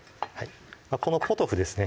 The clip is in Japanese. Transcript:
このポトフですね